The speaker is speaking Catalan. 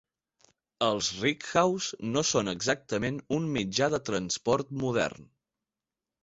Els rickshaws no són exactament un mitjà de transport modern.